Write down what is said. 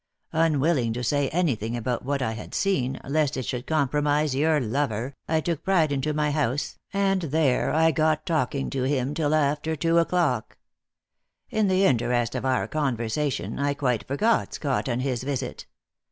Unwilling to say anything about what I had seen, lest it should compromise your lover, I took Pride into my house, and there I got talking to him till after two o'clock. In the interest of our conversation, I quite forgot Scott and his visit.